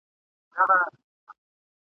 له رقیبه مو ساتلی راز د میني !.